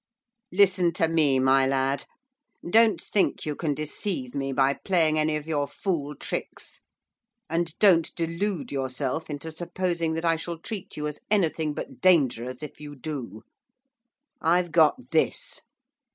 'Listen to me, my lad. Don't think you can deceive me by playing any of your fool tricks, and don't delude yourself into supposing that I shall treat you as anything but dangerous if you do. I've got this.